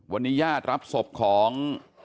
วันนี้ญาติรับศพของ